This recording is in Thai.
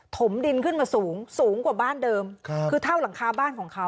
ถมดินขึ้นมาสูงสูงกว่าบ้านเดิมคือเท่าหลังคาบ้านของเขา